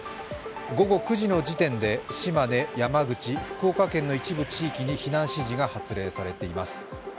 午後９時の時点で島根、山口、福岡県の一部地域に避難指示が発令されています。